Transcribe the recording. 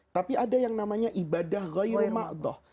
tapi ada yang namanya ibadah ghair makhdoh